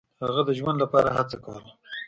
هغه د ژوند لپاره هڅه کوله.